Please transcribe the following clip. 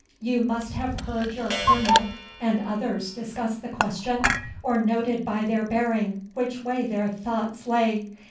You must have heard your Colonel and others discuss the question, or noted by their bearing which way their thoughts lay.